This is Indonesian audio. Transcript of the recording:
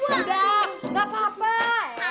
gue gak bisa lu aja